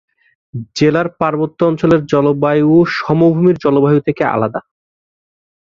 জেলার পার্বত্য অঞ্চলের জলবায়ু সমভূমির জলবায়ু থেকে আলাদা।